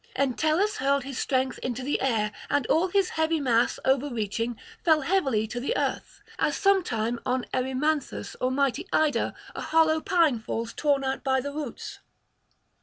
Entellus hurled his strength into the air, and all his heavy mass, overreaching, fell heavily to the earth; as sometime on Erymanthus or mighty Ida a hollow pine falls torn out by the roots.